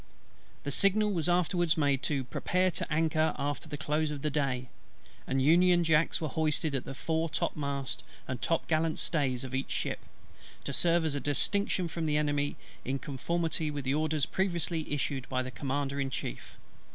The signal was afterwards made to "prepare to anchor after the close of the day;" and union jacks were hoisted at the fore topmast and top gallant stays of each ship, to serve as a distinction from the Enemy's, in conformity with orders previously issued by the Commander in Chief.